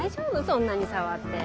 そんなに触って。